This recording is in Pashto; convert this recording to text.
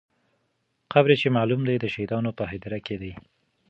قبر چې معلوم دی، د شهیدانو په هدیره کې دی.